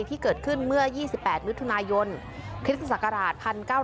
ที่เกิดขึ้นเมื่อ๒๘มิถุนายนคริสตศักราช๑๙๙